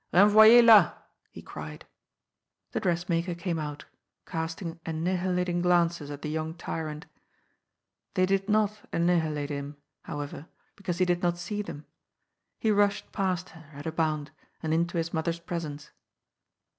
Eenvoyez la," he cried. The dressmaker came out, casting annihilating glances at the young tyrant. They did not annihilate him, how ever, because he did not see them. He rushed past her, at a bound, and into his mother's presence.